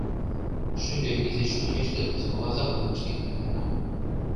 Шӱльӧ изиш шочеш гын смола заводым ыштен кертына.